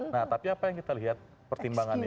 nah tapi apa yang kita lihat pertimbangannya